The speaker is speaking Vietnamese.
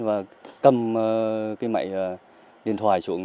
và cầm cái mạng điện thoại xuống